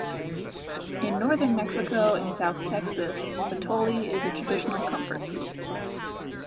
In Northern Mexico and South Texas, "atole" is a traditional comfort food.